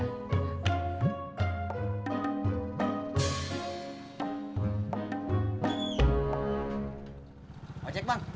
bapak cek bang